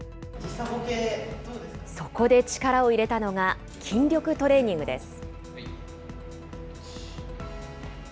そこで力を入れたのが、筋力トレーニングです。